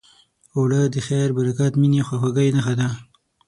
اوړه د خیر، برکت، مینې، خواخوږۍ نښه ده